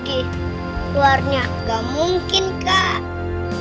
keluarnya gak mungkin kak